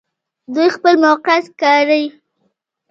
دوی خپل موقعیت کاروي.